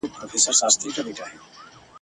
هم د پېغلوټو هم جینکیو !.